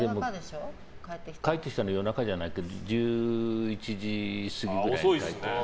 帰ってきたのは夜中じゃないけど１１時過ぎくらいに帰ってきて。